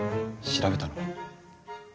調べたの？